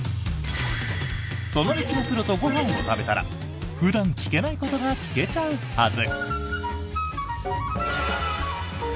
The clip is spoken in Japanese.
その道のプロとご飯を食べたら普段聞けないことが聞けちゃうはず！